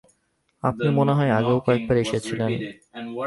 আপনি মনে হয় আগেও কয়েক বার এসেছিলেন?